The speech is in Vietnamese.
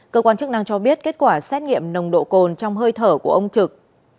cơ quan chức năng cho biết kết quả xét nghiệm nồng độ cồn trong hơi thở của ông trực